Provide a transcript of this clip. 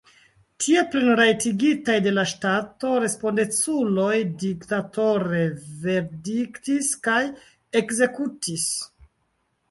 Tie, plenrajtigitaj de la ŝtato, respondeculoj diktatore verdiktis kaj ekzekutis.